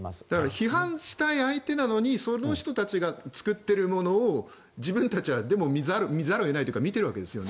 批判したい相手なのにその人たちが作っているものを自分たちは見ざるを得ないというか見ているわけですよね。